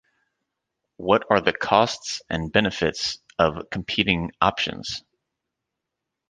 What are the costs and benefits of competing options?